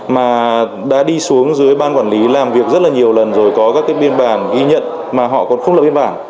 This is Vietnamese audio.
mà đã đi xuống dưới ban quản lý làm việc rất là nhiều lần rồi có các biên bản ghi nhận mà họ còn không lập biên bản